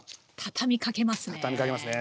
畳みかけますね。